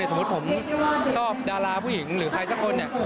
สมมุติผมชอบดาราผู้หญิงหรือใครสักคนเนี่ย